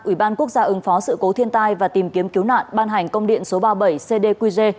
ủy ban quốc gia ứng phó sự cố thiên tai và tìm kiếm cứu nạn ban hành công điện số ba mươi bảy cdqg